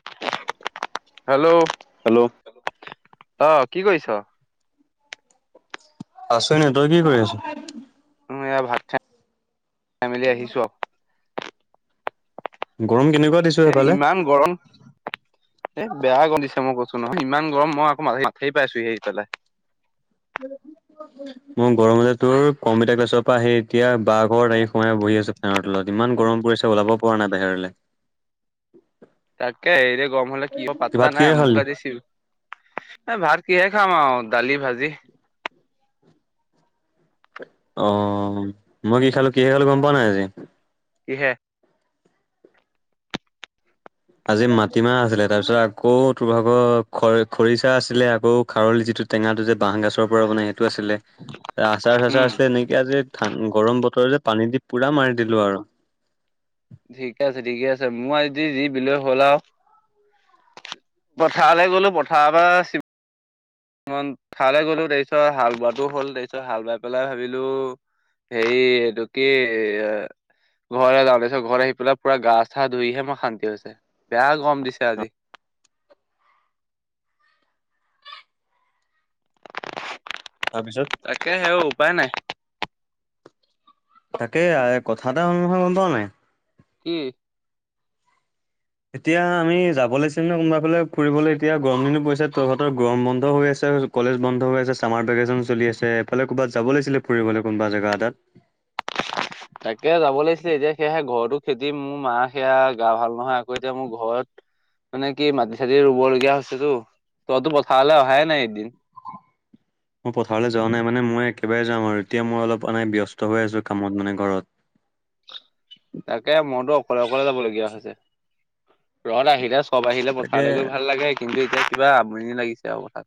[unintelligible] Hello, hello অহ, কি কৰিছ? আছো এনেই তই কি কৰি আছ? উম, এয়া ভাত খায় [inaudible] খাই মেলি আহিছো আও। গৰম কেনেক এ ইমান গৰম এ বেয়া গৰম দিছে মই ক কৈছুনহয় ইমান গৰম মই আকৌ [unintelligible] পাইছোহে আহি পেলাই। [unintelligible] মোৰ গৰমতে তোৰ কম্পিউটাৰ ক্লাছৰ পৰা আহি এতিয়া বাৰঘৰ আহি সোমাই বহি আছো ফেনৰৰ তলত। ইমান গৰম পৰিছে ওলাব পৰা নাই বাহিৰলে। [inaudible] তাকে এইৰে গম হলে কি হব পাত্তা ভাত নাই কিহে খালি মোক আজি চি এ ভাত কিহেৰে খাম আৰু দালি, ভাজি। অহ, মই কি খালো কিহে খালো গম পোৱা নাই আজি কিহে? আজি মাটিমাহ আছিলে তাৰ পিছত আকৌ তোৰ ভাগৰ খৰি -খৰিচা আছিলে আকৌ খাৰলি যিটো টেঙাটো যে বাহ গাচৰ পৰা বনাই সেইটো আছিলে আচাৰ -চাচাৰ উম আছিলে এনেকে আজি গৰম বতৰ যে পানী দি পুৰা মাৰি দিলো আৰু। ঠিকে আছে- ঠিকে আছে মই আজি যি বিলৈ হ'ল আও। পথাৰলৈ গ'লো পথাৰ পা মন খালে গ'লো তাৰপিছত হাল বোৱাটো হ'ল তাৰপিছত হাল বাই পেলাই ভাবিলো সেই এইটো কি ঘৰ যাওঁতে পিছত ঘৰ আহি পেলাই পুৰা গা চা ধুইহে মই শান্তি হৈছে বেয়া গম দিছে আজি। তাৰপিছত তাকে সেও উপায় নাই। তাকে আৰু কথা এটা হ'ল নহয় গম পোৱা নাই? কি? এতিয়া আমি যাব লচিম নে কোনোবা ফালে ফুৰিবলৈ এতিয়া গৰম দিনো পৰিছে তোৰহতৰ গৰম বন্ধ হৈ আছে কলেজ বন্ধ হৈ আছে চামাৰ ভেকেশচন চলি আছে এফালে ক'ৰবাত যাব লাগিছিল ফুৰিবলে কোনোবা জেগা এতাত। [inaudible] তাকে যাব লাগিছিলে এতিয়া সেয়া সে ঘৰতো খেদিম মোৰ মা সেয়া গা ভাল নহয় আকৌ এতিয়া মোৰ ঘৰত মানে কি মাটি- চাটি ৰুব লগগীয়া হৈছেতো তইতো পথাৰলে অহাই নাই একদিন মই পথাৰলৈ যোৱা নাই মানে মই একেবাৰে যাম আৰু এতিয়া মই এনেই অলপ ব্যস্ত হৈ আছো কামত মানে ঘৰত। [inaudible] তাকে মইতো অকলে -অকলে যাবলগীয়া হৈছে ৰ'দ আহিলে চব আহিলে তাকে পথাৰলৈ গৈ ভাল লাগে কিন্তু এতিয়া কিবা আমনি লাগিছে আৰু আও তাত।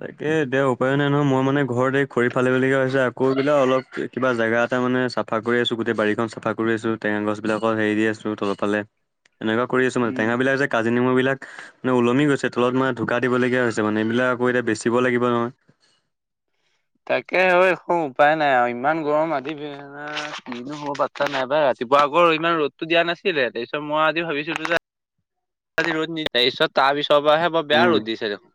তাকে দে উপায় নাই নহয় মই মানে ঘৰত এই খৰি ফালি - ফালি লগীয়া হৈছে আকৌ এইবিলাক অলপ কিবা জেগাত তাৰ মানে চাফা কৰি আছো গোটেই বাৰীখন চাফা কৰি আছো টেঙা -গছ বিলাকত হেৰি দি আছো তলফালে এনেকুৱা কৰি আছ মানে উম টেঙাবিলাক যে কাজি নেমুবিলাক মানে ওলমি গৈছে তলত মানে ঢুকা দিবলগীয়া হৈছে মানে এইবিলাক আকৌ এতিয়া বেচিব লাগিব নহয়- তাকে হয় একো উপায় নাই আৰু ইমান গৰম আদি বিহনা কিনো হব পাত্তা নাইবা ৰাতি ৰাতিপুৱা আকৌ ইমান ৰ'দতটো দিয়া নাছিলে তাৰপিছত মই আজি ভাবিছিলোঁ যে ৰ'দ নি পিছত তাৰপিছৰ পৰা বৰ বেয়া উম, ৰ'দ দিছে দেখোন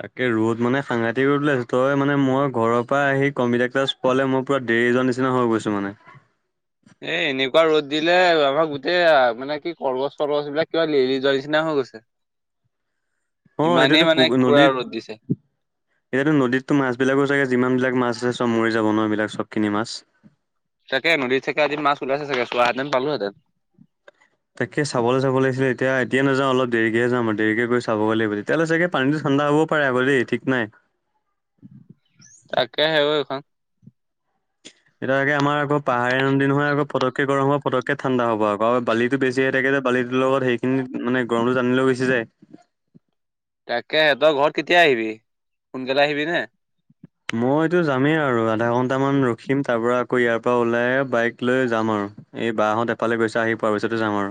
তাকে ৰ'দ মানে সাঘাতি ৰ'দ উলাইছে তই মানে মই ঘৰ পৰা আহি কম্পউটাৰ ক্লাছ পোৱাল মই দেৰিজন নিচিনা হৈ গৈছোঁ মানে [inaudible] এ এনেকুৱা ৰ'দ দিলে আমাক গোটেই মানে কি কলগছ চলগছ বিলাক কিবা লেৰেলি যোৱাৰ নিচিনা হয় হৈ গৈছে অ ইমানেই এতিাতো মানে পুখুৰী পুৰা ৰ'দ নদীত দিছে। এতিয়াতো নদীততো মাছবলাকো চাগে যিমান বিলাক মাছ যথেষ্ট মৰি যাব নোৱাৰ এইবিলাক চবখিনি মাছ তাকে নদীত চাকেদিন মাছ ওলাইছে চাগে চোৱাহেঁতেন পালোহেঁতেন। তাকে চাবলৈ চাব লিছিলে এতিয়া এয়া নাযা অলপ দেৰিকেহে যাম আৰু দেৰিকে গৈ চাব গ লাগিব তেতিয়াহৈ চাগে পানীটো ঠাণ্ডা হ'ব পাৰে হ ঠিক নাই তাকে সে এইখন [inaudible] এতিয়াাকে আমাৰ পাহাৰীয়া নদী নহয় আকৌ ফকে গৰম হব ফকে ঠাণ্ডা হব আক আৰু বালি বেছি থাকে যে ছোৱালীৰ লগত সেইখিনিত মানে গৰমটো জানি লৈ গুছি যায় তাকে তই ঘৰত কেতিয়া আহিবি সোনকালে আহিবি নে? মইতো যামেই আৰু আধা ঘন্টামান ৰখিম তাৰ পৰা আকৌ ইয়াৰ পৰা ওলাই বাইক লৈ যাম আৰু এই বা হঁত এফালে গৈছে আহি পোৱাৰ পিছতো যাম আৰু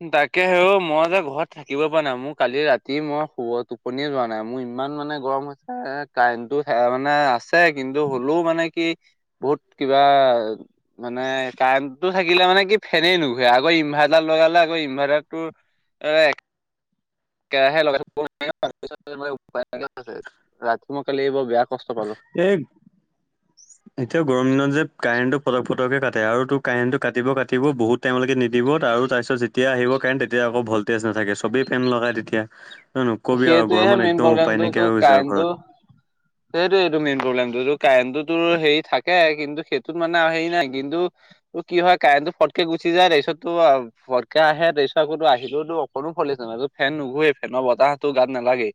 হয় [inaudible] তাকে হেও মই যে ঘৰত থাকিব পৰা নাই মোৰ কালি ৰাতি মই শুব টোপনিয়ে যোৱা নাই মোৰ ইমান মানে গৰম হৈছে কাৰেণ্টটো মানে আছে কিন্তু হ'লেও মানে কি বহুত কিবা মানে কাৰেণ্টটো থাকিলে মানে কি ফেনেই নুঘুৰে আকৌ ইনভাৰ্টাৰ লগালে আকৌ ইনভান্টাৰ টো এ একেৰাহে লগাই ৰাতি কালি এইবৰ বেয়া কষ্ট পালোঁ এই এতিয়া গৰম দিনত যে কাৰেণ্ট টো পটক ফটকে কাটে আৰু তোৰ কাৰেণ্টটো কাটিব কাটিব বহুত টাইমলৈকে নিদি ব আৰু তাৰপিছত যেতিয়া আহিব কাৰেট তেতিয়া আকৌ ভল্টেজ নাথাকে চবেই ফেন লগাই তেতিয়া নকবি আৰু ঘৰ সেইটোৱেহে মান মেইন একদম প্ৰব্লেমটো উপায় নাইকিয়া তোৰ হৈ গৈছে আৰু কাৰেণ্টটো ঘৰত সেইটোৱে এইটো মেইন প্ৰব্লেমটোটো কাৰেণ্টটোতো হেৰি থাকে কিন্তু সেইটোত মানে আৰু হেৰি নাই কিন্তু ত কি হয় কাৰেণ্ট টো ফটকে গুচি যায় তাৰ পিছতো ফটকে আহে তাৰ পিছত আকৌতো আহিলেওতো অকনো ভল্টেজ ফেন নুঘোৱে ফেনৰ বতাহতো গাত নালাগে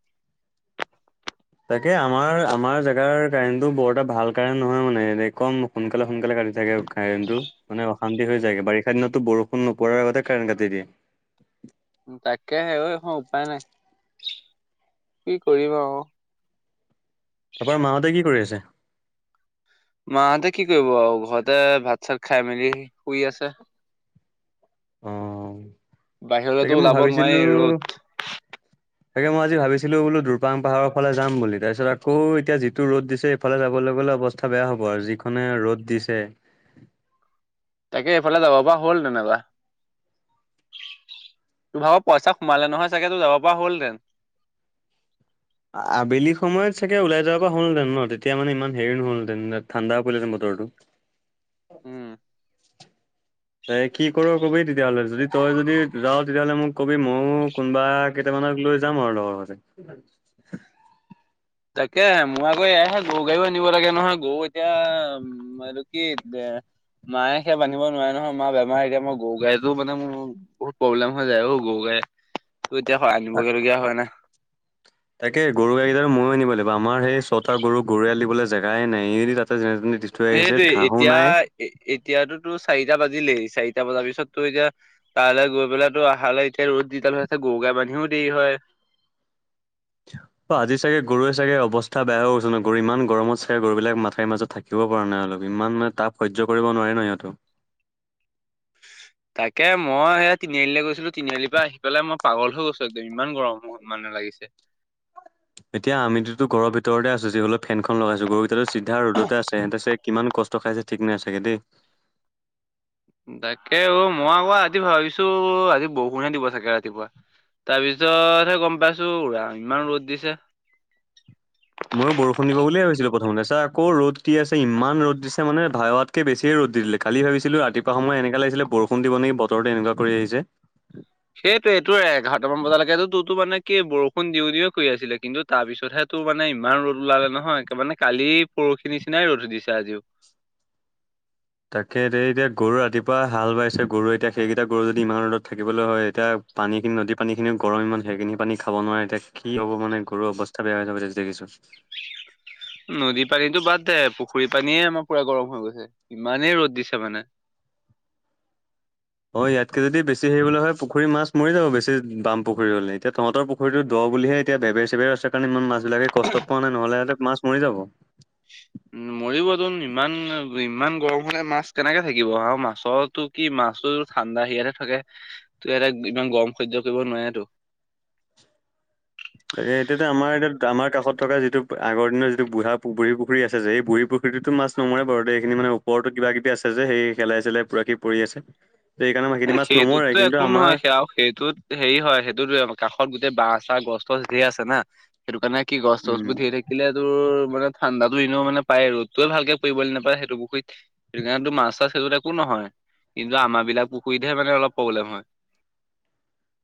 তাকে আমাৰ আমাৰ জোগাৰ কাৰেণ্টটো বৰ এটা ভাল কাৰেণ্ট নহয় মানে কম সোনকালে সোনকালে কাটি থাকে কাৰেণ্টটো মানে অশান্তি হৈ যায়গে বাৰিষা দিনতো বৰষুণ নপৰাৰ আগতে কাৰেণ্ট কাটি দিয়ে তাকে হে, এখন উপায় নাই, কি কৰিব অ তাৰপৰা মাহঁতে কি কৰি আছে? মাহঁতে কি কৰিব আৰু ঘৰতে ভাত চাত খাই মেলি শুই আছে অ বাহিৰলেতো তাকে মই ওলাব নোৱাৰি ভাবিছিলোঁ ৰ'দ তাকে মই আজি ভাবিছিলোঁ বোলো দুপাং পাহাৰৰালে যাম বুলি তাৰপিছত আকৌ এতিয়া যিটো ৰ'দ দিছে সেইফালে যাবলে অৱস্থা বেয়া হ'ব আৰু যিখনে ৰ'দ দিছে। [unintelligible] [inaudible] তাকে এইফালে যাব পৰা হ'ল তেনেকুৱা তোৰ ভাগৰ পইচা সোমালে নহয় চাগে তোৰ যাব পৰা হ'লহেতেন? [inaudible] আবেলি সময়ত চাগে ওলাই যোৱাৰা পৰা হলহেঁতেন ন তেতিয়া মানে ইমান হে নহলহঁতেন ঠাণ্ডা পৰিলেহেতেন ব- বতৰ টো [inaudible] এ কি কৰ কবি তেতিয়াহ'লে যদি তই যদি যাও তেতিয়াহ'লে মোক কবি ময়ো কোনোবা কেইটামান আমাক লৈ যাম আৰু লগতে [unintelligible] তাকে মোৱ এয়াহে গৰু গাড়ীও আনিব লাগে নহয় গৰু এতিয়া উম এইটো কি এ মায়ে সেয়া বান্ধিব নোৱাৰে নহয় মা বেমাৰ এতিয়া মই গৰু গাইজো মানে মোৰ বহুত প্ৰব্লেম হৈ যায় ও গৰু গাই তো এতিয়া আনিব লগীয়া হোৱা নাই? তাকে গৰু গাই কেইটা‌‌ ময়ো আনিব লাগিব আমাৰ সেই ছটা গৰুক গৰুএয়াল দিবলৈ জেগাই নাই এই দি তাতে যেনে তেনে দি থৈ আহিছে সেইটোয়ে ঘাঁহো এতিয়া নাই। এতিয়াতোতো চাৰিটা বাজিলেই চাৰিটা বজাৰ পিছতো এতিয়া তালৈ গৈ পেলাই তো আহালৈকে এতিয়া ৰ'দ যিদাল আছে গৰু বান্ধিও দেৰি হয়। অ আজি চাগে গৰুৱে চাগে অৱস্থা বেয়া হৈ গৈছে ন গৰু ইমান গৰমতচাগে গৰু বিলাক মাথাৰি মাজত থাকিব পৰা নাই অলপ ইমান মানে তাপ সজ্য কৰিব নোৱাৰি ন সিহঁতেও। [unintelligible] তাকে মই সেয়া তিনিআলি গৈছিলোঁ তিনিআলিৰ পৰা আহি পেলাই মই পাগল হৈ গৈছোঁ একদম ইমান গৰম ঘত মানে। লাগিছে। এতিয়া আমিতো ঘৰ ভিৰতে আছোঁ যি হ'লে ফেনখন লগাইছো গৰুকেইটাটো চিধা ৰ'দতে আছে সিহঁতে চাগে কিমান ক কষ্ট খাই চে ঠিক নাই চাগে দেই। [unintelligible] তাকে অ মই আকৌ আজি ভাবিছোঁ আজি বৰষুণে দিব চাগে ৰাতিপুৱা। তাৰ পিছতহে গম পাইছোঁ উৰা ইমান ৰ'দ দিছে। ময়ো বৰষুণ দিব বুলিয়ে ভাবিছিলোঁ প্ৰথমতে ছাৰ আকৌ ৰ'দ দি আছে ইমান ৰ'দ দিছে মানে ধাৱাতকে বেছি ৰ'দ দি দিলে কালি ভাবিছিলোঁ ৰাতিপুৱা সময় এনেক লাগিছিল বৰষুণ দিব নেকি বতৰতো এনেকুৱা কৰি আহিছে। সেইটোৱে একে বৰষুণ দিওঁ দিওঁ কৰি আছিলে কিন্তু তাৰ পিছতহে তোৰ মানে ইমান ৰ'দ ওলালে নহয় মানে কালি পৰখিনি নিচিনাই ৰ'দ দিছে আজিও। তাকে এই এতিয়া গৰু ৰাতিপুৱা হাল বাইছে গৰু এতিয়া সেইকেইটা গৰু যদি ইমান ৰ'দত থাকিবলৈ হয় এতিয়া পানী খিনি নদীৰ পানী খিনিও গৰম ইমান সেইখিনি পানী খাব নোৱাৰে এতিয়া কি হ'ব মানে গৰুৰ অৱস্থা বেয়া হৈ যাব এতিয়া দেখিছোঁ। নদী পানীতো বাদ দে পু পুখুৰী পানীয়ে আমাৰ পুৰা গৰম হৈ গৈছে ইমানেই ৰ'দ দিছে মানে। অ ইয়াতকে যদি বেছি হেৰি হ'বলৈ হয় পুখুৰী মাছ মৰি যাব বেছি বাম পুখুৰী হ'লে এতিয়া তহঁতৰ পুখুৰীটো দ হে এতিয়া বেবে চেবেৰ আছে কাৰণে ইমান মাছ বিলাকে কষ্ট পোৱা নহ'লে হতে মাছ মৰি যাব। [inaudible] উ মৰিব তোন ইমান ইমান গৰম হ'লে মাছ কেনেকে থাকিব আৰু মাছতো কি মা মাছেতো ঠাণ্ডা সেৰিয়াতে থাকে ত ইয়াতে ইমান গৰম সহ্য কৰিব নোৱাৰে তো। [unintelligible] তাক এতিয়াতো আমাৰ এতিয়া আমাৰ কাষত থকা যিটো আগৰ দিনৰ যিটো বুঢ়া বুঢ়ী পুখুৰী আছে যে এই বুঢ়ী পুখুৰী সেইটোততো মাছ নমৰে বাৰু দেই এইখিনি মানে ওপৰতো কিবা কিবি আছে যে সেলাই চেলাই চেলাই পুৰাকে পৰি আছে। সেইকাৰণে সেইখিনি এই মাছ নমৰে সেইটোতো কিন্তু একো আমাৰ নহয় সেয়াও সেইটোত হেৰি হয় সেইটোত। কাষত গোটেই বাঁহ চাহ গছ তছ ঢেৰ আছে না সেইটো কাৰণে কি গছ তছ উম বোৰ ঢেৰ থাকিলে তোৰ মানে ঠাণ্ডাতো এনেও মানে পাই ৰ'দটোৱে ভালকে পৰিবলৈ নাপাই সেইটো পুখুৰীত সেই কাৰণে তো মাছ চাছ সেইটোত একো নহয়। হয় কিন্তু আমাৰ বিলাক পুখুৰীতহে মানে অলপ প্ৰব্লেম হয়।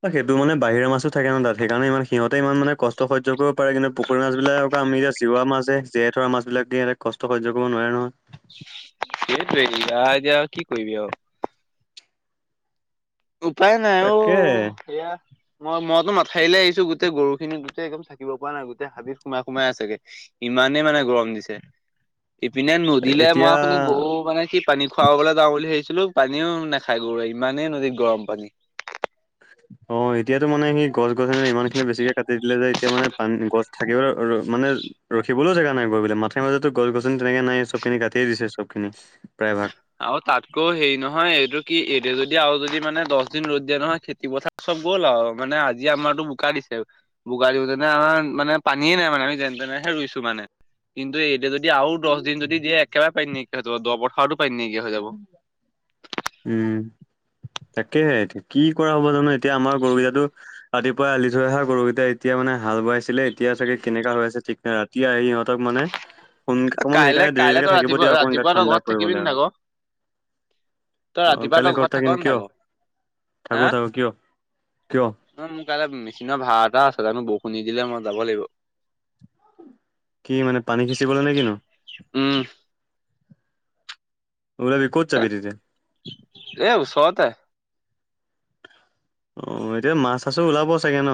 এ সেইটো মানে বাহিৰা মাছোঁ থাকে ন তাত সেইকাৰণে ইমান সিহঁতে ইমান মানে কষ্ট সহ্য কৰিব পাৰে কিন্তু পুখুৰী মাছবিলাক। আমি এতিয়া চীৱা মাছ হে জীৱাই থোৱা মাছবিলাকে কষ্ট সহ্য কৰিব নোৱাৰে নহয়। সেইটোৱে আহ এতিয়া কি কৰিবি আৰু। উপায় নাই অঔ তাকে সেয়া মই মইতো মাথাৰিলে আহিছোঁ গোটেই গৰু খিনি গোটেই একদম থাকিব পৰা নাই গোটেই হাবিত সোমাই সোমাই আছেগে ইমান ইমানেই মানে গৰম দিছে। ইপিনে নদীলৈ মই অথনি এতিয়া গৰু মানে সি পানী খুৱাবলৈ যাওঁ বুলি ভাবি। ছিলো পানীও নাখায় গৰুৱে ইমানেই নদীত গৰম পানী। অ এতিয়াতো মানে সি গছ গছনি ইমান খিনি বেছিকে কাটি দিলে যে এতিয়া মানে পানী গছ থাকিব আৰু মানে ৰখিবলৈও জেগা নাইপোৱা বোলে মাথাৰি মাজতো গছ গছনি তেনেকে নাই চব খিনি কাটিয়ে দিছে চব খিনি প্ৰায় ভাগ আৰু তাতকৈও হেৰি নহয় এইটো কি এইটো যদি আৰু যদি মানে দহ দিন ৰ'দ দিয়া নহয় খেতি পথাৰ। গ'ল আৰু মানে আজি আমাৰতো বোকা দিছে, বোকা দিওতেনে আমাৰ মানে পানীয়ে নাই মানে আমি যেনে তে এতিয়াহে ৰুইছো মানে, কিন্তু এতিয়া যদি আৰু দশ দিন যদি দিয়ে একেবাৰে পানী নাইকিয়া হৈ যাব দ পথাৰতো পানী নাইকিয়া হৈ যাব। উম। তাকেহে এ কি কৰা হ'ব জানো এতিয়া আমাৰ গৰুৱেতো ৰাতিপুৱাই আলি থৈ অহা গৰুকেইটা এতিয়া মানে হাল বাইছিলে এতিয়া চাগে কেনেকোৱা হৈ আছে ঠিক নাই ৰাতি আহি ইহত হতক মানে সোন অকমান কাইলে সেইকাৰণে কাইলে তই দেৰিলৈকে থাকিব ৰাতিপুৱা দিয়ে অকণ গাত ৰাতিপুৱা তই ঠাণ্ডা ঘৰত থাকিবি পৰিবলে আও। নাথাক তই অহ ৰাতিপুৱা কালি তই ঘৰত থাক থাকিম কিয় নাথাক হা? থাকো থাকো কিয়? কিয় নহয় মোৰ কাইলৈ মেচিনৰ ভাড়া এটা আছিল তে বৰষু নিদিলে মই যাব লাগিব। কি মানে পানী সিচিবলে নে কিনো? উম। ওলাবি ক'ত যাবি তেতিয়া? এই ওচৰতে। অ এতিয়া মাছ চাছো ওলাব চাগে ন?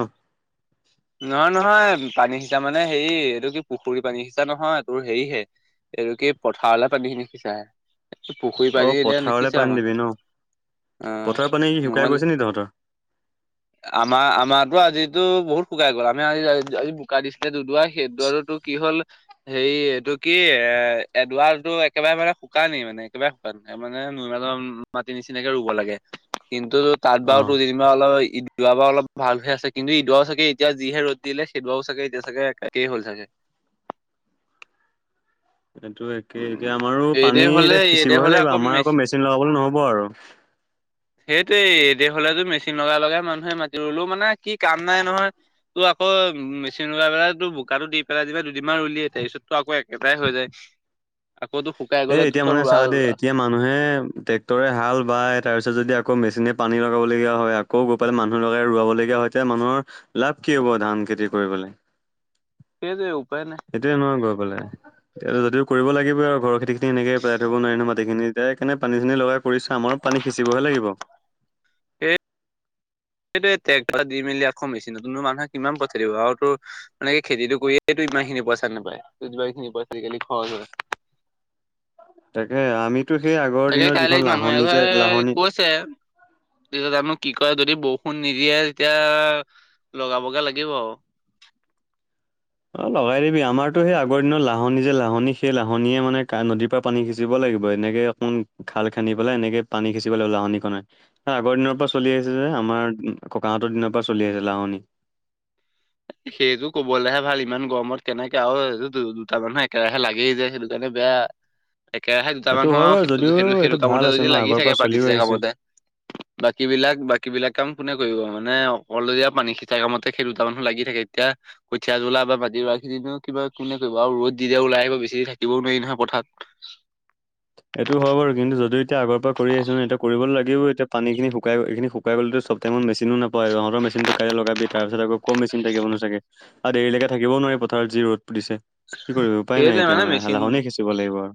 এতিয়া মানে হেৰি এইটো কি পুখুৰী পানী সিচা নহয় তোৰ হেৰি হে এইটো কি পথাৰলৈ পানীখিনি সিছা, পুখুৰী পানী অ' এতিয়া পথাৰলে নিসিছা পানী মানে। দিবি ন? অ, পথাৰৰ পানী শুকাই নহল গৈছে নি তহঁতৰ? আমাৰ আমাৰো আজি এইটো বহুত শুকাই গ'ল আমি আজি আজি বোকাই দিছিলে দুডুৱাুুুৰ সেইদুৱাৰোতো কি হ'ল হেৰি এইটো কি এ এ এডুৱাৰটো একেবাৰে মানে শুকানেই মানে, একেবাৰে শুকান নাই মানে নৈমেলৰ মাটি নিচিনাকে ৰুব লাগে কিন্তু তাত অ। বাৰু তোৰ যেনিবা অলপ ইদোৱা বাৰু অলপ ভাল হৈ আছে কিন্তু ইদোৱা চাগে এতিয়া যিহে ৰ'দ দিলে সেইদোৱাও চাগে এতিয়া চাগে একেই হ'ল চাগে। এইটো একেই, এতিয়া উম, আমাৰো এইদে পানী হ'লে এতিয়া এইদে সিঁচিবহে হ'লে লাগিব আমাৰ মেচ আকৌ মেচিন লগাবলৈ নহব আৰু। সেইটোৱেই দে হলেতো মেচিন লগাই লগাই মানুহে মাতি ৰুলো মানে কি কাম নাই নহয়, তোৰ আ আকৌ মেচিন লৈ পেলাই তো বোকাতো দি পেলাই যেনেবা দুদিনমান ৰুলিয়ে তাৰপিছতো আকৌ একেটাৰে হৈ যায়। আকৌ তোৰ শুকাই এ গ'লে তোৰ এতিয়া চব মানে ৰোৱা চা দেই, ৰোৱা এতিয়া মানুহে ট্ৰেক্টৰে হাল বাই তাৰপিছত যদি আকৌ মেচিনে পানী লগাবলগীয়া হয় আকৌ গৈ পালে মানুহ লগাই ৰোৱাবলগীয়া হয় এতিয়া মানুহৰ লাভ কি হ'ব ধান খেতি কৰিবলৈ। সে দেও। এইটোয়ে ন গৈ পেলাই। তে যদি কৰিব লাগিব আৰু ঘৰ খেতিখিনি এনেকে পেলাই থব নোৱাৰি নো মাটিখিনি এতিয়াই সেইকাৰণে পানী চিনি লগাই কৰিছে আমাৰ পানী সিঁচিবহে লাগিব। এই সেইটোৱে এই ট্ৰেক্টাৰ দি মেলি আকৌ মেচিনটো নতুনো মানুহে কিমান পঠাই দিব আৰু তোৰ মানকে খেতিটো কৰিয়েই তই যিমানখিনি পইচা নেপায় ত যিমানখিনি পইচা আজিকালি খৰচ হয়। তাকে আমিতো সেই আগৰ তাকে দিনৰ কাইলে যিখন মানুহ লাহনী যে এঘৰে লাহনী কৈছে তি জানো কি কয় যদি ব ষুণ নিদিয়ে যেতিয়া লগাবগে লাগিব আও। অ লগাই দিবি আমাৰতো সেই আগৰ দিনৰ লাহনী যে লাহনী সেই লাহনীয়ে মানে নদীৰ পৰা পানী সিচিব লাগিব এনে এনেকে কোন ঘাল খান্দি পেলাই এনেকে পানী সিচিবলৈ লাগিব লাহনিখনে। আগৰ দিনৰ পৰা চলি আহিছে যে আমাৰ ককাহঁতৰ দিনৰ পৰা চলি আছে লাহনি। [inaudible] সেইটো কবলৈহে ভাল ইমান গৰমত কেনেকে আৰু এইটো দু- দুটা মানুহ একেৰাহে লাগেই যে সেইটো কাৰণে বেয়া। একেৰাহে দুটা এইটো মানুহ হয় আৰু বাৰু সেইটো যদিও সেইটো এইটো সেইটো ভাল কামতে আছে যদি ন লাগি আগৰ পৰা থাকে পানী চলিও সিঁচা আহিছে কামতে বাকীবিলাক -বাকীবিলাক কাম কোনে কৰিব মানে অকলীয়া পানী সিচা কামতে সেই দুটা মানুহ লাগি থাকে এতিয়া কঠীয়া তোলা বা মাটি ৰোৱা খিনো কিবা কোনে কৰিব আৰু ৰ'দ দি ওলাই আহিব বেছি থাকিব নোৱাৰি ন। হ পথাৰত। এইটো হয় বাৰু কিন্তু যদি এতিয়া আগৰ পৰা কৰি আহিছ নহয় এতিয়া কৰিব লাগিবও এতিয়া পানীখিনি শুকাই এইখিনি শুকাই গলেটো সপ্তাহ মেচিনো নাপায়, তহঁতৰ মেচিনটো কাইলৈ লগাবি তাৰ পিছত আক কম মেচিন থাকিব চাগে দেৰিলৈকে থাকিব নোৱা পথাৰত যি ৰ'দ পুতিছে, কি কৰিব উপায় নাই সেইটোৱে এতিয়া মানে মেচিন লাহনে সিঁচিব লাগিব আৰু।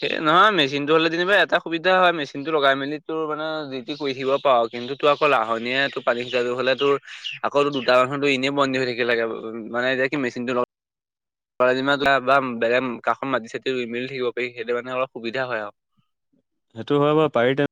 সেই নহয় মেচিনটো হ'লে যেনিবা এটা সুবিধা হয় মেচিনটো লগাই মেলি তোৰ মানে যিটি কৰি থাকিব পাৰ কিন্তু আকৌ লাহনি তোৰ পানী সুটাই হলে তোৰ আকৌ দুটা মানুতো এনেই বন্দী হৈ থাকিল লাগে উ মানে এতিয়া কি মেচিনটো লগা- পদিমা তোলা বা বেলেগ কাষখন মাটি চাতি ই মেলি থাকিব পাৰি সেইটো মানে অলপ সুবিধা হয় আৰু [inaudible] সেইটো হয় বাও পাৰি তে